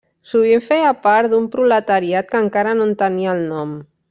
Sovint feia part d'un proletariat que encara no en tenia el nom.